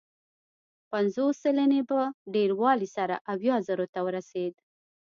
پنځوس سلنې په ډېروالي سره اویا زرو ته ورسېد.